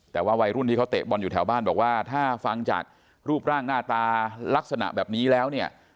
แต่ว่าวัยรุ่นที่เขาเตะบอลอยู่แถวบ้านบอกว่าถ้าฟังจากรูปร่างหน้าตาลักษณะแบบนี้แล้วเนี่ย